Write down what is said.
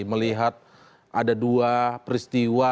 melihat ada dua peristiwa